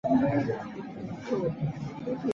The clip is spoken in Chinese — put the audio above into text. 流行于北韩的海鸥牌单车多是由此集中营生产。